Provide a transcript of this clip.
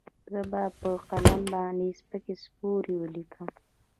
زه به په قلم باندې سپکې سپورې وليکم.